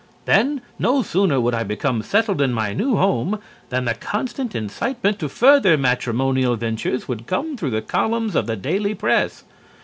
Then, no sooner would I become settled in my new home, than the constant incitement to further matrimonial ventures would come through the columns of the daily press.